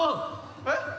えっ？